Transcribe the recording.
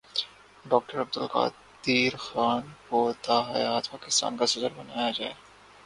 doctor Abdul Qadeer Khan کو تا حیات پاکستان کا صدر بنایا جائے